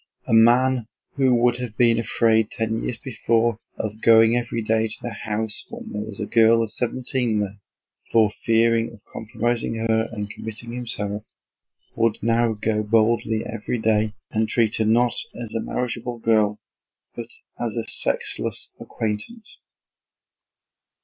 A man who would have been afraid ten years before of going every day to the house when there was a girl of seventeen there, for fear of compromising her and committing himself, would now go boldly every day and treat her not as a marriageable girl but as a sexless acquaintance.